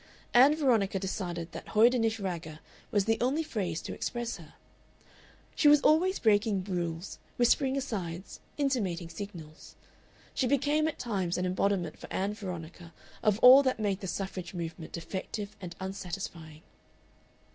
Ann Veronica decided that "hoydenish ragger" was the only phrase to express her. She was always breaking rules, whispering asides, intimating signals. She became at times an embodiment for Ann Veronica of all that made the suffrage movement defective and unsatisfying.